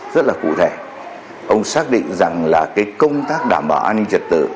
rất là cụ thể ông xác định rằng là cái công tác đảm bảo an ninh trật tự